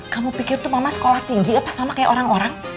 kamu pikir tuh mama sekolah tinggi apa sama kayak orang orang